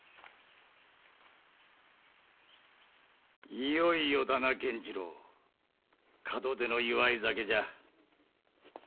いよいよだな源次郎門出の祝い酒じゃ。